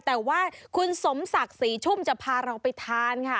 แต่ว่าคุณสมศักดิ์ศรีชุ่มจะพาเราไปทานค่ะ